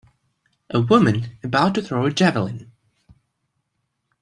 A woman about to throw a javelin